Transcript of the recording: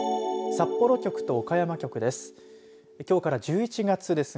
札幌局と岡山局です。